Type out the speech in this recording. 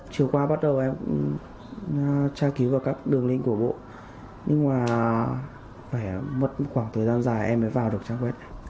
chiều qua bắt đầu em tra cứu vào các đường link của bộ nhưng mà phải mất một khoảng thời gian dài em mới vào được trang quét